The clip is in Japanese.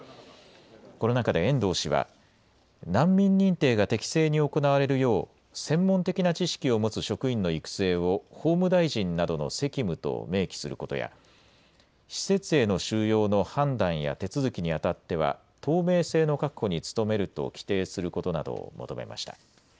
この中で遠藤氏は難民認定が適正に行われるよう専門的な知識を持つ職員の育成を法務大臣などの責務と明記することや施設への収容の判断や手続きにあたっては透明性の確保に努めると規定することなどを求めました。